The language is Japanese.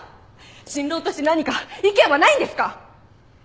新郎として何か意見はないんですか！？